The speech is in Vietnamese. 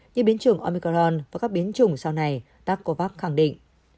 như biến chủng omicron và các biến chủng sau này takovac khẳng định